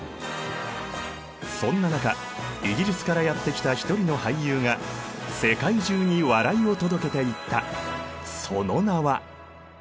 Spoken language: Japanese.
そんな中イギリスからやって来た一人の俳優が世界中に笑いを届けていった。